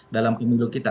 dalam pemilu kita